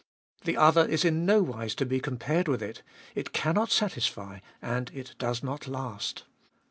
The other is in no wise to be compared with it— it cannot satisfy, and it does not last.